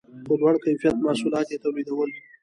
په لوړ کیفیت محصولات یې تولیدول.